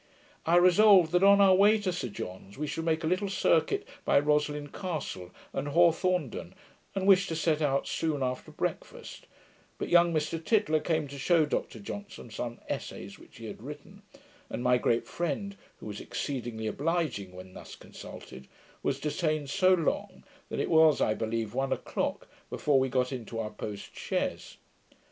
I resolved that, on our way to Sir John's, we should make a little circuit by Roslin Castle, and Hawthornden, and wished to set out soon after breakfast; but young Mr Tytler came to shew Dr Johnson some essays which he had written; and my great friend, who was exceedingly obliging when thus consulted, was detained so long that it was, I believe, one o'clock before we got into our post chaise.